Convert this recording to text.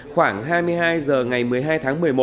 khoảng hai mươi hai h ngày một mươi hai h